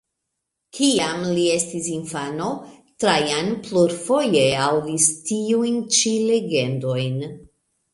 Kiam li estis infano, Trajan plurfoje aŭdis tiujn ĉi legendojn.